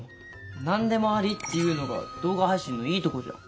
何でもありっていうのが動画配信のいいとこじゃん。